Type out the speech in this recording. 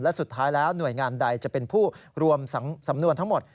และสุดท้ายแล้วหน่วยงานใดจะเป็นผู้รวมสำนวนทั้งหมด